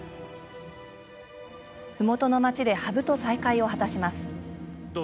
ふもとの町で羽生と再会を果たします。